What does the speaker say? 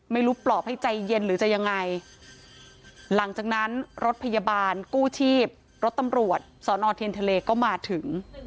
ไม่รู้ปลอบให้ใจเย็นหรือจะยังไงหลังจากนั้นรถพยาบาลกู้ชีพรถตำรวจสอนอเทียนทะเลก็มาถึง